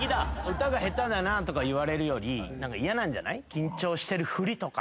歌が下手だなとか言われるより嫌なんじゃない？とか。